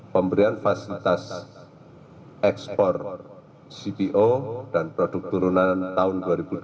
pemberian fasilitas ekspor cpo dan produk turunan tahun dua ribu dua puluh